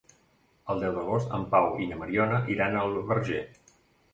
El deu d'agost en Pau i na Mariona iran al Verger.